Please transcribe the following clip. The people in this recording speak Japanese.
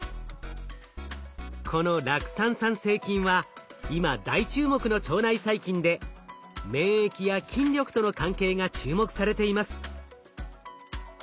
この酪酸産生菌は今大注目の腸内細菌で免疫や筋力との関係が注目されています。